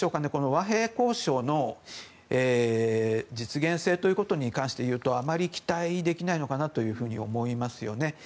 和平交渉の実現性ということに関して言うとあまり期待できないのかなと思いますよね。